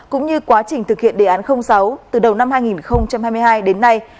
cũng như quá trình thực hiện đề án sáu từ đầu năm hai nghìn hai mươi hai đến nay